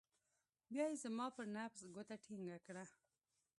بيا يې زما پر نبض گوته ټينګه کړه.